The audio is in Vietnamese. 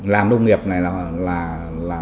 làm nông nghiệp này